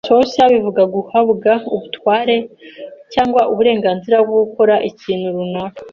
Exousia bivuga guhabwa ubutware cyangwa uburenganzira bwo gukora ikintu runaka.